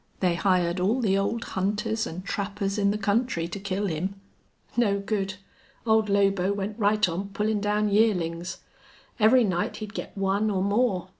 They hired all the old hunters an' trappers in the country to kill him. No good! Old Lobo went right on pullin' down yearlings. Every night he'd get one or more.